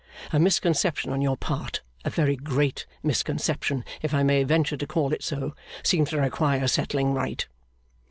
A misconception on your part, a very great misconception if I may venture to call it so, seems to require setting right.